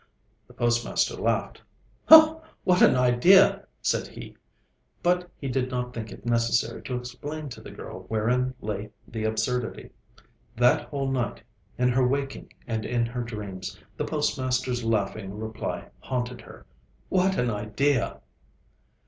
The postmaster laughed. 'What an idea!' said he; but he did not think it necessary to explain to the girl wherein lay the absurdity. That whole night, in her waking and in her dreams, the postmaster's laughing reply haunted her 'What an idea!'